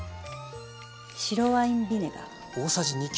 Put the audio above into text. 白ワインビネガー。